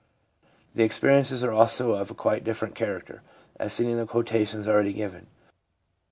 The experiences are also of quite a different character, as seen in the quotations already given.